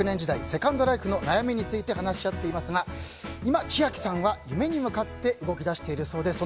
セカンドライフの悩みについて話し合っていますが今、千秋さんは夢に向かって動き出しているそうです。